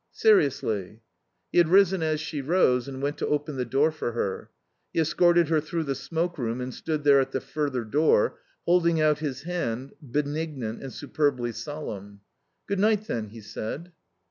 "Seriously." He had risen as she rose and went to open the door for her. He escorted her through the smoke room and stood there at the further door, holding out his hand, benignant and superbly solemn. "Good night, then," he said.